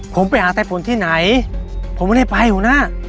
ผมไปหาไต้ฝนที่ไหนผมไม่ได้ไปหัวหน้า